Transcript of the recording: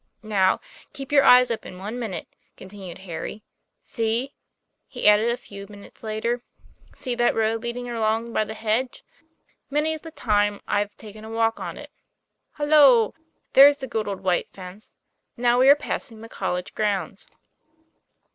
Now, keep your eyes open one minute," continued Harry, ' See," he added a few minutes later, "see that road leading along by the hedge? Many's the time I've taken a walk on it. Holloa, there's the good old white fence. Now we are passing the College grounds."